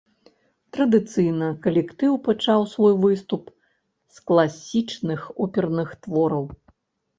Традыцыйна калектыў пачаў свой выступ з класічных оперных твораў.